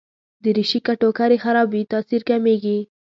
دریشي که ټوکر يې خراب وي، تاثیر کمېږي.